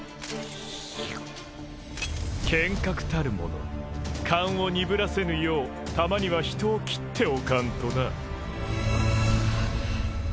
剣客たる者勘を鈍らせぬようたまには人を斬っておかんとな。